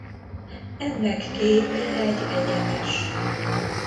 Ennek képe egy egyenes.